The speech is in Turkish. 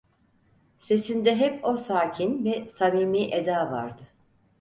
Sesinde hep o sakin ve samimi eda vardı: